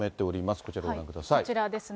こちらですね。